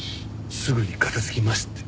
すぐに片付きますって。